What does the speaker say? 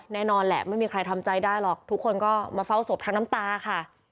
แน่นอนแหละไม่มีใครทำใจได้หรอกทุกคนก็มาเฝ้าศพทั้งน้ำตาค่ะ